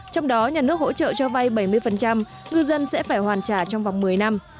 trong đó nhà nước hỗ trợ cho vay bảy mươi ngư dân sẽ phải hoàn trả trong vòng một mươi năm